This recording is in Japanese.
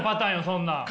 そんなん。